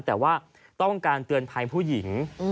แต่ว่าต้องการเตือนภัยผู้หญิง